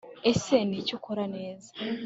Ese Niki ukora neza